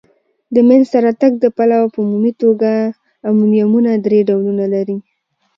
د مینځ ته راتګ د پلوه په عمومي توګه امونیمونه درې ډولونه لري.